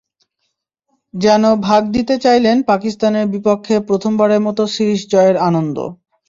যেন ভাগ দিতে চাইলেন পাকিস্তানের বিপক্ষে প্রথমবারের মতো সিরিজ জয়ের আনন্দের।